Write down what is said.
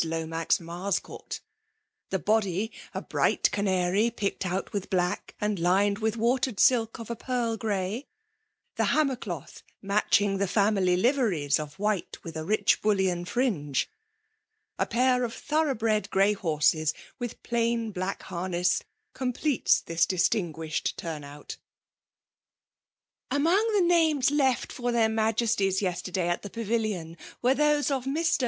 Lomax Marscourt : the bodv* ft bright canary picked out with black, and lined with watered silk of a pearl grey ; the hammer cloth, matching the family liveries, of white, with a rich bullion fringe. A pair of th<»^ugh bred grey horses with' plain black hamess, completes this distinguished tum>out.'* Among the names left for their MiQcsties yesterday at the Pavilion, were those of Bfr.